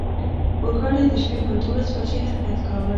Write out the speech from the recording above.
اورګاډی د شپې پر دولس بجې حرکت کاوه.